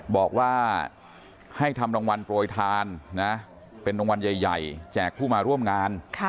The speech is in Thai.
บอกว่าให้ทำรางวัลโปรยทานนะเป็นรางวัลใหญ่แจกผู้มาร่วมงาน